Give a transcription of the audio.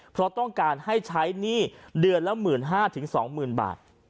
เพราะต้องการให้ใช้หนี้เดือนละ๑๕๐๐๒๐๐๐บาท